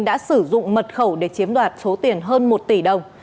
đã sử dụng mật khẩu để chiếm đoạt số tiền hơn một tỷ đồng